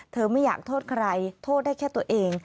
ไม่อยากโทษใครโทษได้แค่ตัวเอง